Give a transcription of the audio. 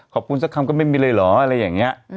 ขอบคุณสักคำก็ไม่มีเลยหรออะไรอย่างเงี้ย